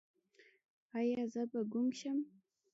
ایا زه به ګونګ شم؟